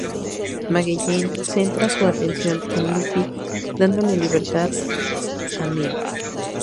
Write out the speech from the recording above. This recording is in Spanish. Magellan centra su atención en Luffy dándole libertad a Mr.